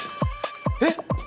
えっ！